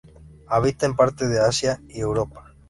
Habita en parte de Asia y Europa.